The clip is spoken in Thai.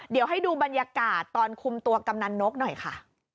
เดี๋ยวให้ดูบรรยากาศตอนคุมตัวกำนันนกหน่อยค่ะ